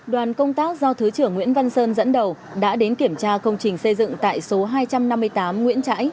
đoàn công tác do thứ trưởng nguyễn văn sơn dẫn đầu đã đến kiểm tra công trình xây dựng tại số hai trăm năm mươi tám nguyễn trãi